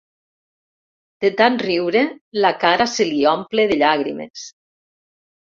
De tant riure la cara se li omple de llàgrimes.